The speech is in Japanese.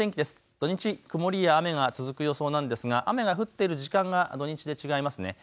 土日、曇りや雨が続く予想なんですが雨が降っている時間が土日で違いますね。